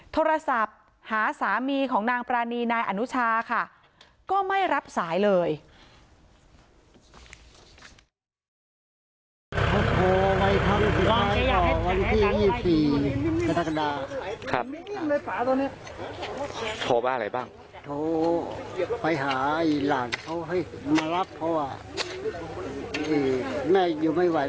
โทรศัพท์หาสามีของนางปรานีนายอนุชาค่ะก็ไม่รับสายเลย